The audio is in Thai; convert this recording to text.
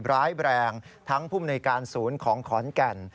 ร้ายแบรงทั้งภูมิหน่วยการศูนย์ของขอนกัน